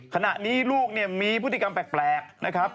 ขณะนี้ลูกมีพฤติกรรมแปลกนะครับ